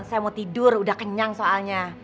saya mau tidur udah kenyang soalnya